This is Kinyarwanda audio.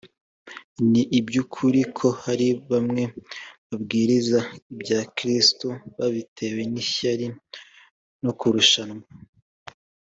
ni iby ukuri ko hari bamwe babwiriza ibya kristo babitewe n’ishyari no kurushanwa